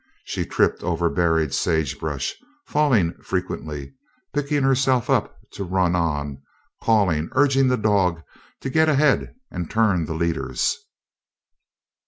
She tripped over buried sagebrush, falling frequently, picking herself up to run on, calling, urging the dog to get ahead and turn the leaders.